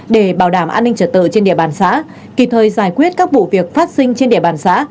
để bảo đảm an ninh trở tự trên địa bàn xã kỳ thời giải quyết các vụ việc phát sinh trên địa bàn xã